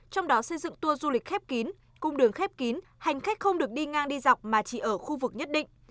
trong đó xây dựng tour du lịch khép kín cung đường khép kín hành khách không được đi ngang đi dọc mà chỉ ở khu vực nhất định